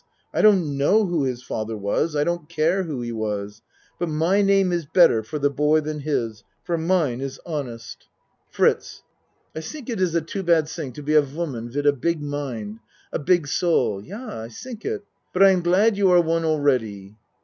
I don't know who his father was I don't care who he was but my name is better for the boy than his for mine is honest 36 A MAN'S WORLD FRITZ I tink it iss a too bad ting to be a woman wid a big mind, a big soul. Yah, I tink it. But I am glad you are one already.